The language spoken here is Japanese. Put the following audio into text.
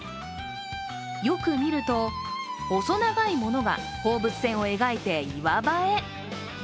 よく見ると、細長いものが放物線を描いて岩場へ。